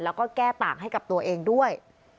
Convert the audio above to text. แล้วก็แก้ต่างให้กับตัวเองด้วย